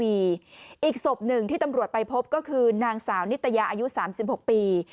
อีกศพหนึ่งที่ตำรวจไปพบก็คือนางสาวนิตยาอายุ๓๖ปี